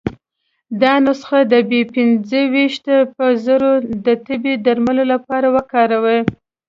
دا نسخه د بي پنځه ویشت په زور د تبې درملو لپاره وکاروي.